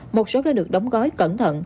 một số đã được đóng gói cẩn thận